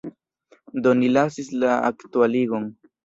Do ni lasis la aktualigon.